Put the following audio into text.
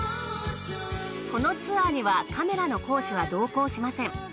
このツアーにはカメラの講師は同行しません。